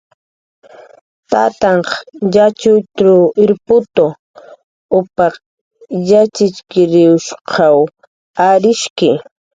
Tantanhq yatxutruw irpkutu, upaq yatxchirinhshqaw arisht'ki